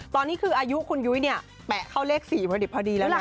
ตอนนี้คืออายุคุณยุ้ยเนี่ยแปะเข้าเลข๔พอดีแล้วนะ